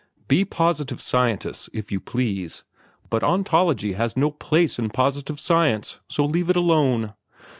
Be positive scientists, if you please; but ontology has no place in positive science, so leave it alone.